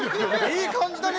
いい感じだね！